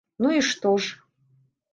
Ну, і што ж?